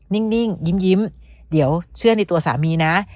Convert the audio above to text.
นิ่งยิ้มเดี๋ยวเชื่อในตัวสามีนะ